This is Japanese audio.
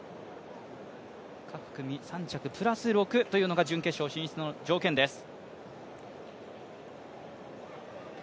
各組３着プラス６というのが準決勝進出の条件です。